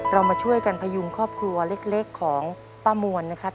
เรามาช่วยกันพยุงครอบครัวเล็กของป้ามวลนะครับ